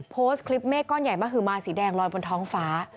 โพสต์คลิปเมฆก้อนใหญ่มหือมาสีแดงลอยบนท้องฟ้า